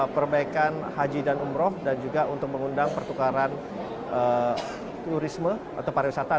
pembangunan delapan jasa kesehatan